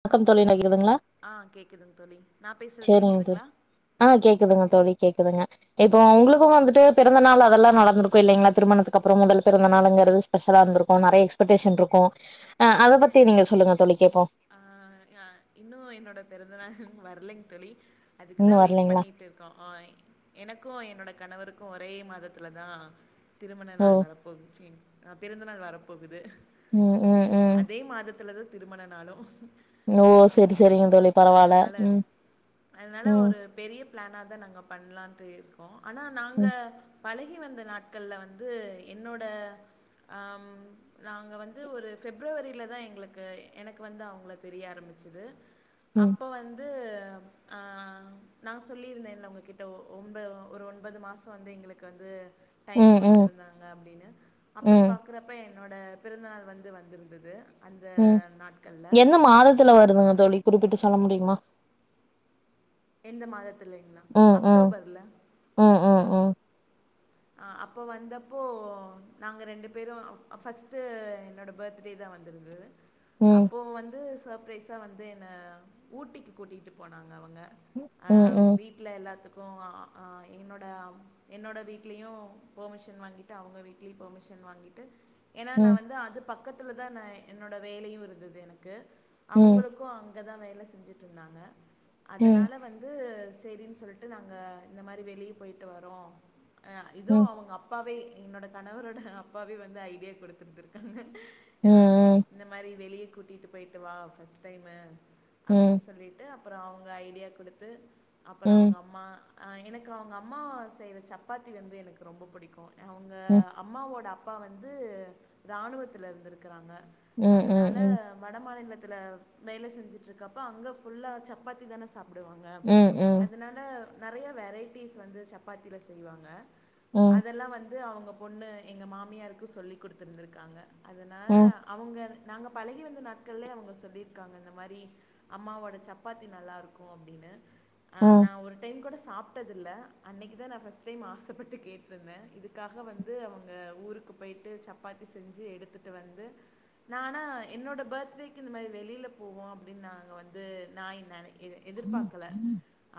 வணக்கம் தோழி கேக்குதுங்ளா ஆ கேக்குதுங்க தோழி நா பேசுறது செரிங்க தோழி கேக்குதுங்களா ஆ கேக்குதுங்க தோழி கேக்குதுங்க இப்போ ஒங்களுக்கு வந்துட்டு பிறந்த நாள் அதெல்லா நடந்திருக்கு இல்லைங்ளா திருமணத்துக்கு அப்புறம் முதல் பிறந்த நாள் எங்குறது ஸ்பெஷலா இருந்திருக்கு நெறய எக்ஸ்பெக்டேஷன் இருக்கு ஆ அத பத்தி நீங்க சொல்லுங்க தோழி கேப்போ ஆ ஆ இன்னு என்னோட பிறந்தநாள் வரலங்க தோழி அதுக்குதா இன்னு வெயிட் வரலைங்களா பண்ணிட்டு இருக்கோ ஐ எனக்கு என்னோட கணவருக்கு ஒரே மாதத்துல தா திருமண ஓ நாள் வரப்போச்சு நா பிறந்தநாள் வரப்போகுது உம் உம் உம் திருமணனாலு [unintelligible] ஓ செரி செரி சரிங்க தோழி பரவால்ல அதனால உம் அதனால உம் ஒரு பெரிய பிளானா தா நாங்க பண்ணலான்ட்டு இருக்கோ ஆனா நாங்க ம் பழகி வந்த நாட்கள்ல வந்து என்னோட ஆ நாங்க வந்து ஒரு ஃபிப்ரவரியில தா எங்களுக்கு எனக்கு வந்து அவங்கள தெரிய ஆரம்பிச்சிது ம் அப்ப வந்து நா சொல்லியிருந்தே உங்ககிட்ட ஒன்ம்ப ஒரு ஒன்பது மாச வந்து எங்களுக்கு வந்து டைம் ம் ம் குடுத்திருந்தாங்க அப்டின்னு அப்டி ம் பாக்குறப்ப எ என்னோட பிறந்தநாள் வந்து வந்திருந்தது அந்த உம் நாட்கள்ல. என்ன மாதத்துல வருதுங்க தோழி குறிப்பிட்டு சொ சொல்ல முடியுமா எந்த மாதத்துலேங்களா ம் ம் அக்டோபர்ல ம் ம் ம் அ அப்போ வந்தப்போ நாங்க ரெண்டு பேரு ஃபஸ்ட்டு என்னோட பர்த்டே தா வந்திருந்தது ம் அப்போ வந்து சர்ப்ரைஸா வந்து என்ன ஊட்டிக்கு கூட்டிட்டு போனாங்க அவுங்க ம் ம் வீட்ல எல்லாத்துக்கு ஓ ஆ என்னோட என்னோட வீட வீட்லயு பெர்மிஷன் வாங்கிட்டு அவுங்க வீட்லயு பெர்மிஷன் வாங்கிட்டு ஏனா நா ம் வந்து அது பக்க பக்கத்துல தா நா என்னோட வேலையு இருந்தது எனக்கு ம் அவங்களுக்கும் அங்க அங்கே தான் வேலை செஞ்சுட்டு இருந்தாங்க ம் அதனால ம் வந்து சரின்னு சொல்லிட்டு நாங்கள் இந்த மாதிரி வெளியே போயிட்டு வரோம் இதுவும் அவங்க அப்பாவே என்னோட கணவரோட அப்பாவே வந்து ஐடியா கொடுத்துருந்துருக்காங்க அஹ் ம் ம் இந்த மாதிரி வெளியே கூட்டிட்டு போயிட்டு வா ஃபர்ஸ்ட் டைமு ம் அப்படின்னு சொல்லிட்டு அ அப்புறம் அவங்க ஐடியா கொடுத்து ம் அப்புறம் அவங்க அம்மாக்கு எனக்கு அவங்க அம்மா செய் சப்பாத்தி வந்து எனக்கு ரொம்ப பிடிக்கும் அவங்க ம் அம்மாவோட அப் அப்பா வந்து இராணுவத்தில இருந்துருக்கிறாங்க ம் ம் அதனால ம் வட மாநிலத் இத வேலை செஞ்சிட்டுருக்கப்போ அங்கே ஃபுல்ல சப்பத்தின சாப்பிட அப்படுவாங்க ம் ம் ம் அதனால நிறைய வெரைட்டிஸ் வந்து சப்பாத்தியில செய்வாங்க ம் அதெல்லாம் வந்து அது அவங்க பொண்ணு எங்கள் மாமியாருக்கு சொல்லி் கொடுத்துருந்துருக்காங்க அதனால ம் அவங்க நாங்கள் பழகி வந்த நாட்கள்ள அவங்க சொல்லியிருக்காங்க இந்த மாதிரி அம்மாவோட சப்பாத்தி நல்லாருக்கும் அப்படின்னு ஆஹ் ம் நான் ஒரு டைம் கூட சாப்பிட்டதில்ல அன்னைக்கதான் நான் ஃபஸ்ட் டைம் ஆசைப்பட்டு கேட்டிருந்தேன் இதுக்காக வந்து அவங்க ஊருக்கு போயிட்டு சப்பாத்தி செஞ்சு எடுத்துகிட்டு வந்து நானால் என்னோடய பர்த்டேக்கு இந்த மாதிரி வெளியில போவோம் அப்படின்னு நாங்கள் வந்து நான் நினைக்க எதிர்பார்க்கல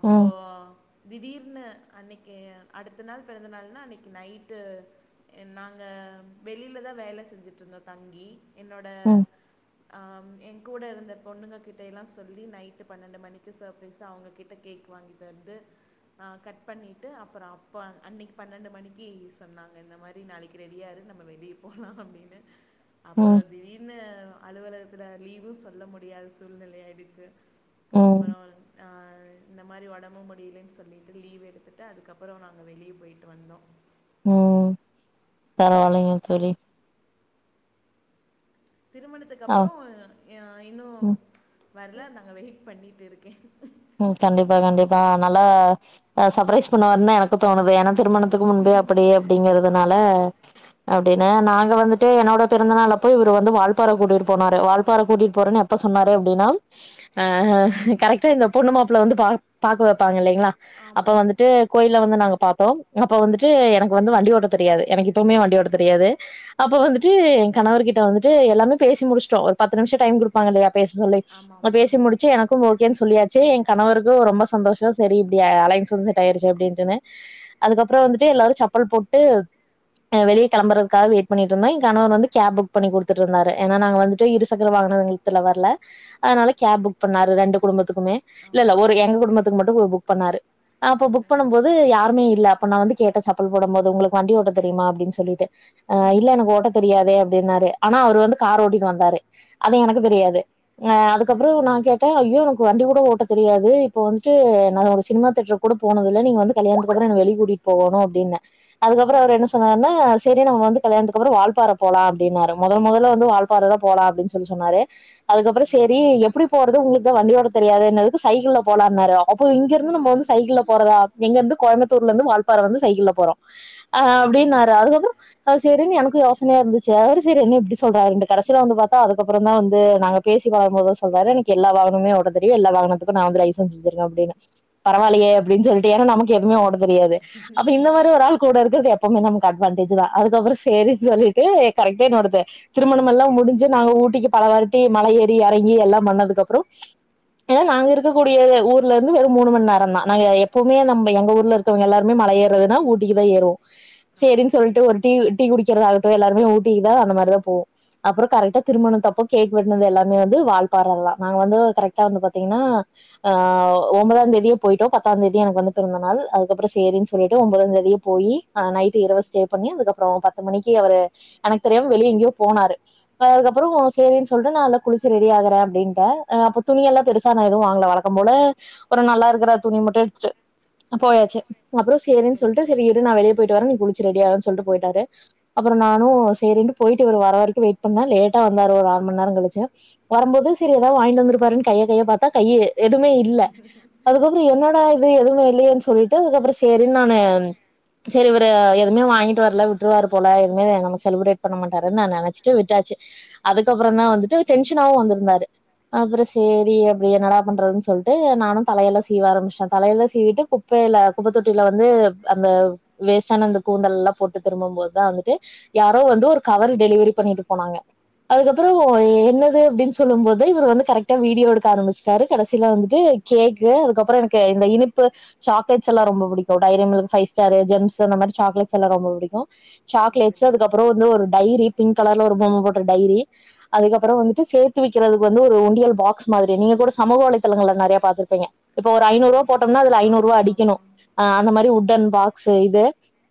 அப்போ திடீர்னு அன்னைக்கு அடுத்த நாள் பிறந்தநாள்ன்னா அடுத்த நாள் பிறந்தநாள்னா அன்னைக்கு நைட்டு நாங்கள் வெளியில தான் வேலை செஞ்சுட்டுருந்தோம் தங்கி என்னோட ம் ஆம் என் கூட இருந்த பொண்ணுங்க கிட்டைல்லா சொல்லி நைட்டு பன்னெண்டு மணிக்கு சர்பரைஸ்ஸா அவுங்க கிட்ட கேக் வாங்கி தந்து ஆ கட் பண்ணிட்டு அப்புறோ ப்போ அன்னிக்கு பன்னெண்டு மணிக்கு சொன்னாங்க இந்த மாரி நாளைக்கு ரெடியா இரு நம்ம வெளியே போலா அப்பிடின்னு ம் அப்புறோ ம் திடீர்னு அலுவலகத்துல லீவு சொல்ல முடியாது சூழ்நிலை ஆயிடிச்சி அப்புறோ ஆ இந்த மாரி ஒடம்பு முடிலன்னு சொல்லிட்டு லீவ் எடுத்துட்டு அதுக்கப்புறோ நா நா வெளியே போய்ட்டு வந்தோ ம் பரவாயில்லைங்க தோழி திருமணத்துக்கு ஆ அப்புறோ அ இன்னு ம் வரல நாங்க வெயி பண்ணிட்டு இருக்கே ம் கண்டிப்பா கண்டிப்பா நல்லா அ சர்பரைஸ் பண்ணுவாருந்தா எனக்கு தோணுது எனக் திருமணத்துக்கு முன்பே அப்பிடியே அப்பிடிங்கிறதுனால ஆமா அப்பிடி ந நாங்க வந்துட்டு என்னோட பிறந்த நாள் அப்போ இவரு வந்து வாழ்ப்பார கூட்டிட்டு போனாரு வாழ்பார கூட்டிட்டு போறேன்னு எப்ப சொன்னாரு அப்பிடின்னா ஆ கரெக்டா இந்த பொண்ணு மாப்பிள வந்து பா பாக்க வப்பாங்க இல்லை ங்களா அப்ப ஆமா வந்துட்டு கோயில வந்து நாங்க பாத்தோ அப்ப வந்துட்டு எனக்கு வந்து வண்டி ஓட்ட தெரியாது எனக்கு இப்பவுமே வண்டி ஓட்ட தெரியாது அப்ப வந்துட்டு சரி எ கணவர்கிட் ட்ட வந்துட்டு எல்லாமே பேசி முடிச்சிடோ ஒரு பத்து நிமிஷோ டைம் குடுப்பாங்க இல்லையா பேச சொல்லி ஆமா ஆமா ஆ பேசி முடிச்சி எனக்கு ஓகேன் சொ சொல்லியா ச்சே எ கணவருக்கு ரொம்ப சந்தோஷோ சேரி இப்பிடி அலைன்ஸ் வந்து செட் ஆயிருச்சி அப்பிடின்டுனே அதுக்கப்புறோ வந்துட்டு எல்லாரு சப்பல் போட்டு அ வெளியே கெளம்புறக்காக வெயிட் பண்ணிட்டு இருந்தோ எ கணவர் வந்து கேப் புக் பண்ணி குடுத்துட்டு இருந்தாரு ஏனா நாங்க வந்துட்டு இருசக்கர வாகனங்க்த்துல வரல அனால கேப் புக் பண்ணாரு ரெண்டு குடும்பத்துக்குமே [inaudible] ஆ இல்ல இல்ல ஒரு சரிங்க எங்க தோழி குடும்பத்துக்கு மட்டு புக் பண்ணாரு அப்ப ஓகே புக் பண்ணு போது யாருமே இல்ல அப்ப நா வந்து கே ட்ட சப்பல் போடு போது உங்களுக்கு வண்டி ஓட்ட தெரியுமா அப்பிடின் சொல்லிட்டு ஆ இல்ல எனக்கு ஓட்ட தெரியாதே அப்பிடினாரு ஆனா அவுரு வந்து கார் ஓட்டிட்டு வந்தாரு அது எனக்கு தெரியாது அஹ ஓ அதுக்கப்புறோ நா கேட்டே ஐயோ வண்டி கூட ஓட் ட்ட தெரியாது இப்ப வந்துட்டு நா ஒரு சினிமா தேட்டர் கூட போனதுல்ல நீங்க வந்து கல்யாணத்துக்கு அப்புறோ வெளிய கூட்டிட்டு போகோணு அப்பிடின்ன அதுக்கப்புறோ அவர் என்ன சொன்னாருன்னா சேரி நம்ம வந்து கல்யாணத்துக்கப்புறோ வால்பாற போலா அப்பிடின்னாரு முத முதல்ல வந்து வால்பாறதா போலா அப்பிடின் சொல்லி சொன்னாரு அதுக்கப்புறோ சரிங்க சேரி தோழி எப்பிடி போறது உங்ளு த்தா வண்டியோட்ட தெரியாது இன்னது சைக்கிள்ள போலானாரு அப்போ இங்க இருந்து நம்ம வந்து சைக்கிள்ள போறதா எங்க இருந்து கோயம்புத் புத்தூர்ல இருந்து வால்பாற வந்து சைக்கிள்ல போறோ ஆ அப்டின்னாரு அதுக்கப்றோ அது சேரினு எனக்கு யோசனையா இருந்துச்சு அவரு சரி என்னு இப்டி சொல்றாருண்டு கடசில வந்து பாத்தா அதுக்கப்புற தா வந்து நாங்க பேசி பழகும் போது சொல்றாரு எனக்கு எல்லா வாகனமுமே ஓட்ட தெரியு எல்லா வாகன இப்ப நா வந்து லைசென்ஸ் வச்சுருக்கே அப்டின்னு பரவாயிலயே அப்டின்னு சொல்லிட்டு நமக்கு எதுமே ஓட் தெரியாது அப்ப இந்த மாரி ஒரு ஆள் கூட இருக்கிறது எப் அவுங்க நமக்கு அட்வான்டேஜிதா அதுக்கப்புறோ சேரினு சொல்லிட்டு கரெக்டா என்னோட திருமணம் எல்லா முடிஞ்சு நாங்க ஊட்டிக்கு பலவாட்டி மல ஏறி எறங்கி எல்லா பண்ணதுக்கப்றோ ஏன்னா நாங்க இருக்க கூடிய ஊர்ல இருந்து ஒரு மூனு மணிநேரந்தா நாங்க எப்பவுமே நம்ம எங்க ஊர்ல இருக்கவங்க எல்லாருமே மழ ஏறதுன்னா ஊட்டிக்கு தா ஏறுவோ ஆ சேரின்னு சொல்லிட்டு சரி ஒரு டீ டீ குடிக்குறதாக இப்ப எல்லாருமே ஊட்டிக்கு தா அந்த மாரிதா போவோ அப்றோ கரெக்டா திருமணத் தப்ப கேக் வெட்னது எல்லாமே வந்து வால்பாறலதா நாங்க வந்து கரெக்டா வந்து பாத்தீங்கன்னா ஆ ஒம்பதா தேதியே போயிட்டோ பத்தா தேதி எனக்கு வந்து பிறந்த நாள் அதுக்கப்றோ சேரின்னு சொல்லிட்டு ஒம்பதா தேதியே போயி ஆ நைட் ஓ இரவு ஸ்டே பண்ணி அதுக்கப்றோ பத்து மணிக்கு அவரு எனக்கு தெரியாம வெளிய எங்கயோ போனாரு அதுக்கப்றோ சேரின்னு சொல்லிட்டு நான்ல்ல குளிச்சு ரெடி ஆகுறே அப்டின்டே அப்ப துணிய எல்லா பெருசா நா எதுவு வாங் வழக்கம்போல ஒரு நல்லா இருக்குற துணி மட்டு எடுத்துட்டு போயாச்சு அப்றோ சேரி சரிங்க சொல்லிட்டு சேரி தோழி இரு நா வெளிய போயிட்டு வாரே நீ குளிச் ரெடி ஆகுன்னு சொல்லி போய்ட்டாரு அப்பறோ நானு சேரின்னு போய்ட்டு இவர் வர வரைக்கு வெயிட் பண்ணா லேட்டா வந்தாரு ஒரு அர மணி கழுச்சு வரம்போது சேரி ஏதாவது வாங்கிட்டு வந்துருப்பாருன்னு கைய கைய பாத்தா கையி எதுவுமே இல்ல அதுக்கப்பறோ என்னடா து எதுவுமே இல்லையேன்னு சொல்லிட்டு அதுக்கப்பறோ சேரி நானு சேரி இவரு எதுவுமே வாங்கிட்டு வரல விட்டுருவாரு போல எதுமே நம்ம செலிப்ரேட் பண்ண மாட்டாருன்னு நா நெனச்சுட்டு விட்டாச்சு அதுக்கப்பறந்தா வந்துட்டு டென்ஷனாவு வந்துருந்தாரு அப்புற சேரி என்னடா பண்றது சொல்லிட்டு நானு தலையெலா சீவ ஆரம்பிச்டே தலையெலா சீவிட்டு குப்பையில குப்ப தொட்டியில வந்து அந்த வேஸ்டான கூந்தல்லா போட்டு திரும்பு போதுதா வந்துட்டு யாரோ வந்து ஒரு கவர் டெலிவரி பண்ணிட்டு போனாங்க ஓ அதுக்கப்புறோ ஓகே என்னது அப்டினு சொல்லும் போது இவர் வந்து கரெக்டா வீடியோ எடு எடுக்க ஆரம்பிச்சுட்டாரு கடசில வந்துட் டு கேக்கு அதுக்கப்புறோ எனக்கு இந்த இனிப்பு சாக்லேட்ஸ் எல்ல ரொம்ப பிடிக்கு டைரிமில்க் ஃபைஸ்டாரு ஜெம்ஸு அந்த மாரி சாக்லேட்ஸ்லா ரொம்ப புடிக்கு சரிங்க சாக்லேட்ஸு தோழி அதுக்கப்புற வந்து ஒரு டைரி பிங்க் கலர்ல ஒரு பொம்ம போட்ட டைரி அதுக்கப்பற வந்துட்டு சேத் வக்கிறதுக்கு வந்து ஒரு உண்டியல் பாக்ஸ் மாதிரி நீங்க கூட சமூக வலைதளங்கள்ல நெறயா பாத்துருப்பீங்க இப்ப ஆ ஒரு ஐநூறுவா போட்டம்னா அதுல ஆமா ஐநூறுவா ஆமா அடிக்கணு ஆமா ஆ அந்த மாதிரி உட் உட்டன் பாக்ஸ் இது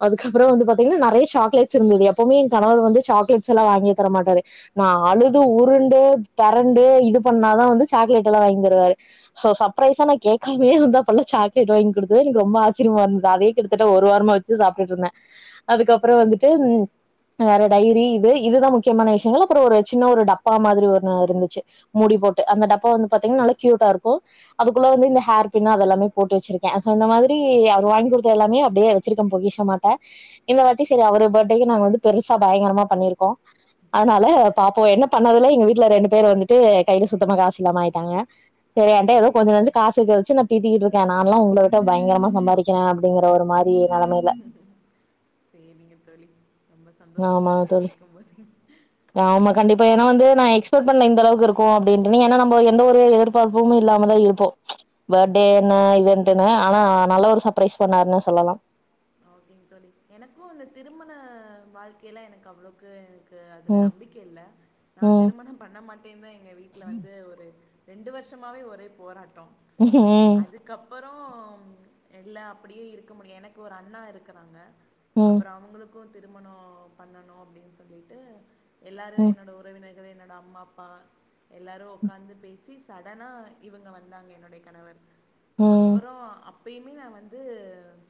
அதுக்கப்புற பாத்திங்கனா நெரயா சாக்லேட்ஸ் இருந்தது எப்பவுமே என் கணவர் வந்து சாக்லேட்ஸ்லா வாங்கியே தர மாட்டாரு நா அழுது உருண்டு பெரண்டு இது பண்ணாதா வந்து சாக்லேட்லா வாங்கி தருவாரு சோ சர்ப்ரைஸா நா கேக்காமயே வந்தால்லா சாக்லேட் வாங்கி கொடுத்தது எனக்கு ரொம்ப ஆச்சரியமா இருந்தது அதே கிட்டத்தட்ட ஒரு வாரமா வச்சு சாப்டுட்டு இருந்தே அதுக்கப்பற வந்துட்டு சரிங்க உம் தோழி வேற டைரி இது இதுதா முக்கியமான விஷயங்கள் அப்பறோ ஒரு சின்ன ஒரு டப்பா மாதிரி ஒன்னு இருந்துச்சு மூடி போட்டு அந்த டப்பா அப்போ வந்து பாத்தீங்கன்னா நல்லா க்யூட்டா இருக்கும் அதுக்குள்ள வந்து இந்த ஹேர் பின் அது எல்லாமே போட்டு வச்சிருக்கேன் சோ இந்த மாதிரி அவர் வாங்கி குடுத்த எல்லாமே அப்பிடியே வச்சிருக்கேன் பொக்கிஷ மாட்ட இந்த வாட்டி சரி அவரு படேக்கு நாங்க வந்து பெருசா பயங்கரமா பண்ணிருக்கோம் அதுனால பாப்போம் என்ன பண்ணதுல எங்க வீட்ல ரெண்டு பேர் வந்துட்டு கைல சுத்தமா கா சுலாம ஆயிட்டாங்க சரி என்ட ஓ ஏதோ கொஞ்ச நஞ்ச சரிங்க காசு இருக்க வச்சு ந பீத்திகிட் இருக்கே நாலாம் உங்கள விட்ட பயங்ரமா சம்பாதிக்கிறேன் அப்டிங்கிற ஒரு மாரி நெலமையில சேரிங்க தோழி ரொம்ப சந்தோசமா ஆமா இருக்கு தோழி கேக்கம் போது ஆமா கண்டிப்பா ஏன்னா வந்து நா எக்ஸ்பெக்ட் பண்ணே இந்த அளவுக்கு இருக்கும் அப்டின்ட்டு நீங்க ஏன்னா நம்ம எந்த ஒரு ஆ எதிர்பார்ப்பும் இல்லாமதான் இருப்போம் படே என்ன இவென்ட் என்ன ஆனா நல்ல ஒரு சர்பரைஸ் பண்ணாரு சொல்லலாம் அப்டின் தோழி எனக்கும் அந்த திருமண வாழ்க்கைல எனக்கு அவ்ளோக்கு அதுல ம் நம்பிக்கை இல்ல நா ம் திருமணம் பண்ண மாட்டேனு எங்க வீட்ல வந்து ஒரு ரெண்டு வருஷமாவே ஒரே போராட் ம் றோம் இல்ல அப்டியே இருக்க முடியும் எனக்கு ஒரு அண்ணா இருக் குறாங்க ம் அப்புற அவுங்களுக் கும் திருமணோ பண்ணணு அப்டின் சொல்லிட்டு எல்லாரு ம் என்னோட உறவினர் கவே என்னோட அம்மா பா எல்லாரு ஒக்காந்து பேசி சாட் தனா இவுங்க வந்தாங்க என்னுடய கணவர் ம் ம் அப்புறோம் அப் அப்பியுமே நா வந்து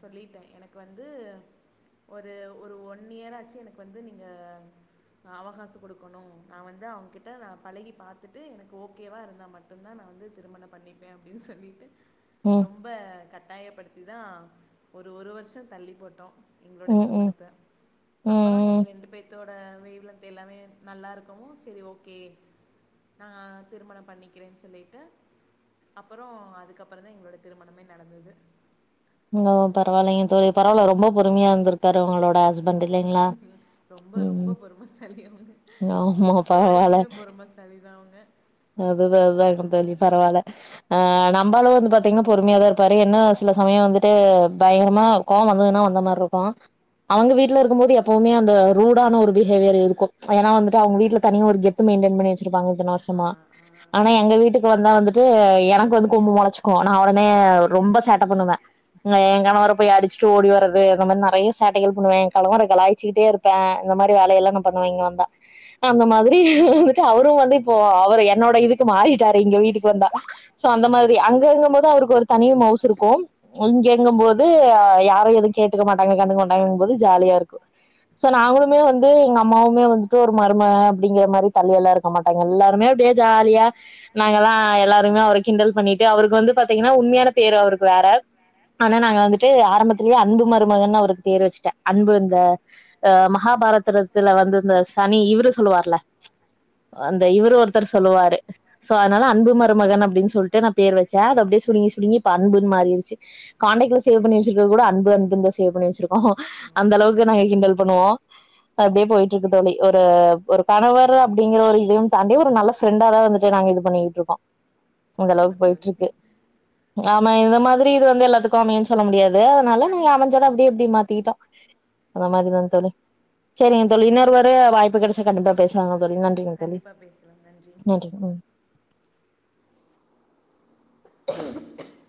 சொல்லிட்டேன் எனக்கு எனக்கு வந்து ஒரு ஒரு ஒன் இயர் ஆச்சு எனக்கு வந்து நீங்க அவகாசம் குடுக்கணு நா வந்து அவுங்கிட்ட நா பழகி பாத்துட்டு எனக்கு ஓகேவா இருந்தா மட்டு தான் நா வந்து திருமணம் பண்ணிப்பேன் அப்டின்னு சொல்லிட்டு ம் ரொம்ப கட் டாயப்படுத்தி தான் ஒரு ஒரு வருஷத் தள்ளி போட்டோம் எங்களோட ம் திருமணத்தை ம் அப்பறோ ம் எங்க ரெண்டு பேத் தோட வேவ் லென்த் எல்லாமே நல்லாருக்கவும் சரி ஓகே நா திருமணம் பண்ணிக்கிறேன் சொல்லிட்டு அப்பறோ அதுக்கப்ற தான் எங்களோட திருமணமே நடந்தது பரவால்லைங்க தோழி பரவால்ல ரொம்ப பொறுமையா இருந்திருக்காரு உங்களோட ஹஸ் ரொம்ப ரொம்ப பொறுமசாலி அவுங்க ஆமா இப்ப பரவால்ல வரைக்குமே பொறுமைசாலிதா அவுங்க அதுதா அதாங்க தோழி பரவால்ல ஆ நம்பாளு வந்து பாத்தீங்கன்னா பொறுமையாதா இருப்பாரு என்ன சில சமயம் வந்து [unintelligible] பயங்கர கோவ வந்ததுன்னா வந்த மாரி இருக்கு அவங்க வீட்டுல இருக்கும்போது எப்பவுமே அந்த ரூடான ஒரு பிஹேவியர் இருக்கு ஏனா வந்துட்டு அவங்க வீட்டுல தனிய ஒரு ம் கெத்து மைண்டன் பண்ணி வெச் இருப்பாங்க இத்தன ஆ வருஷமா ஆ ஆனா எங்க வீட் வீட்டுக்கு வந்த வந்துட்டு எனக்கு வந்து கொம்பு முளைச்சுக்கு நா அவன நா ரொம்ப சேட்ட பண்ணுவா ஏ கணவர போய் அடிச்சுட்டு ஓடி வர்றது அந்த மாரி நெறைய சேட்டைகள் பண்ணுவே ஏ கணவனே கலாய்சச்சுட்டே இருப்பே இந்த மாரி வேலையெல்லா நா பண்ணுவே இங்க வந்தா அந்த மாதிரி இரு அவரும் வந்து இப்போ அவரு என்னோட இதுக்கு மாறிட்டாரு இங்க வீட்டுக்கு வந்தா சோ அந்த மாரி அங்க அங்கும் போது அவருக்கு ஒரு தனிய மவுசு இருக்கு எங்கெங்கும் ம் போது ம் யாரு எதுவு கேட்டுக்க மாட்டாங்க கண்டு மாட்டாங்கும் போது ஜாலியா இருக்கு சோ நாங்களுமே வந்து எங்கம் அம்மவுமே வந்துட்டு ஒரு மரும அப்படிங்கிற மாரி தள்ளி எல்லா இருக்க மாட்டாங்க எல்லாருமே அப்படியே ஜாலியா நாங்க எல்லா எல்லாருமே அவரு கிண்டல் பண்ணிட்டு அவருக்கு வந்து பாத்தீங்கன்னா உண்மையான பேரு அவருக்கு வேற ஆனா நாங்க சரிங்க வந்துட்டு ஆரம்பத்துலேயே அன்பு மாரி மகன் அவருக்கு பேர் வச்சுட்டே அன்பு இந்த அ மகாபாரதத்துல வந்து இந்த சனி இவரு சொல்லுவார்ல அந்த இவர் தோழி ஒருத்தர் சொல்லுவாரு சோ அதனால அன்பு மருமகன் அப்படின்னு சொல்லிட்டு நா பேர் வச்சே அது அப்படியே சுருங்கி சுருங்கி இப்ப அன்புன்னு மாறிடுச்சு காண்டாக்ட்ல சேவ் பண்ணி வச்சிருக்க கூட அன்புன்பு இந்த சேவ் பண்ணி வச்சிருக்கோ ஆ ஓ அந்த அளவுக்கு சரிங்க நாங்க தோழி கிண்டல் பண்ணுவோ அப்படியே போயிட்டு இருக்கு தோழி ஒரு ஒரு கணவர் அப்படிங்கிற ஒரு இதையு தாண்டி ஒரு நல்ல ஃப்ரெண்டாதா வந்துட்டு நாங்க இது பண்ணிட்டு இருக்கோ இந்த அளவுக்கு சூப்பர் போயிட்டு தோழி இருக்கு ஆமா இந்த மாதிரி இது வந்து எல்லத்துக்கு அமயுனு சொல்ல முடியாது லா அதனால நாங்க கண்டிப்பா அமைஞ்சதா தோழி அப்படியே அப்படி மாத்திட்டோ [unintelligible] அந்த மாரி தா ஆமா தோழி சேரிங்க தோழி இன்னொரு சரிங்க ஒரு வாய்ப்பு கிடைச் [unintelligible] பேசுவாங்க தோழி நன்றிங்க தோழி கண்டிப்பா பேசலாம் நன்றி ம்